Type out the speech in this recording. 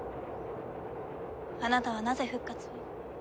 あなたはなぜ復活を？